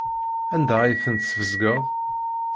Anda ay tent-tesbezgeḍ?